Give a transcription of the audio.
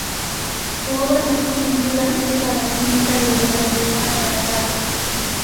Su obra más conocida es la Basílica de Nuestra Señora de la Paz.